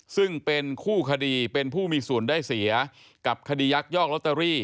ซึ่งเป็นคู่คดีเป็นผู้มีส่วนได้เสียกับคดียักยอกลอตเตอรี่